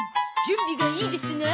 準備がいいですな。